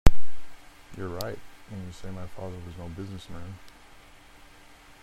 You're right when you say my father was no business man.